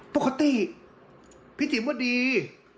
ปกติพี่จีบว่าดี